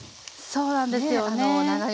そうなんですよね。